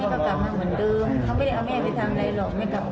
เขาไม่ได้เอาแม่ไปทำอะไรหรอก